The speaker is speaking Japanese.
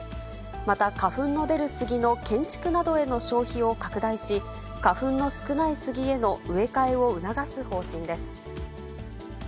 また花粉の出るスギの建築などへの消費を拡大し、花粉の少ないスギへの植え替えを促す方針です。